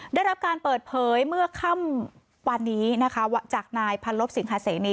ได้รับการเปิดเผยเมื่อค่ำวันนี้นะคะจากนายพันลบสิงหาเสนี